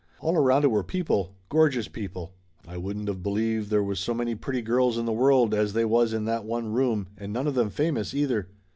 All around it were people, gorgeous people. I wouldn't of believed there was so many pretty girls in the world as they was in that one room, and none of them famous, either.